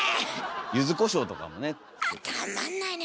ゆずこしょうとかもね。